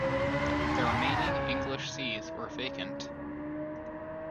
The remaining English sees were vacant.